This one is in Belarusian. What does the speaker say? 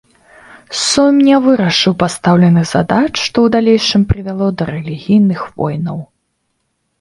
Сойм не вырашыў пастаўленых задач, што ў далейшым прывяло да рэлігійных войнаў.